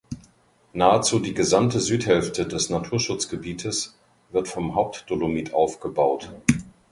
Nahezu die gesamte Südhälfte des Naturschutzgebietes wird vom Hauptdolomit aufgebaut.